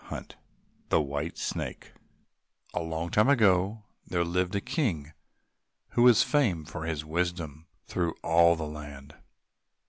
17 The White Snake A long time ago there lived a king who was famed for his wisdom through all the land.